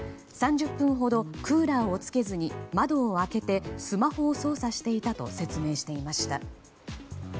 ３０分ほどクーラーをつけずに窓を開けてスマホを操作していたと説明していました。